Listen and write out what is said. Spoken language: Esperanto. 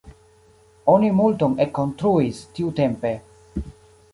Oni multon ekkonstruis tiutempe.